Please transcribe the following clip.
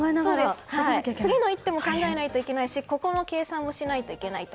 次の１手も考えなきゃいけないしここの計算もしなきゃいけないと。